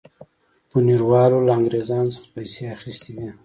بونیروالو له انګرېزانو څخه پیسې اخیستې وې.